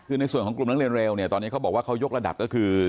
คือในส่วนของกลุ่มนักเรียนเร็วเนี่ยตอนนี้เขาบอกว่าเขายกระดับก็คือ